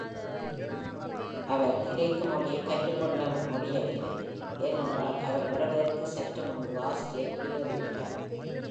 அவர் கிரேக்க மொழியைக் கற்றுக்கொள்ள முடியவில்லை, ஏனென்றால் அவர் வருவதற்கு சற்று முன்பு ஆசிரியர் வெளியேறிவிட்டார்.